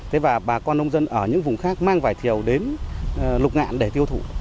thế và bà con nông dân ở những vùng khác mang vải thiều đến lục ngạn để tiêu thụ